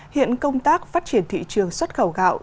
hiện công tác phát triển thị trường xuất khẩu gạo